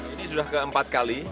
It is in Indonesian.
ini sudah keempat kali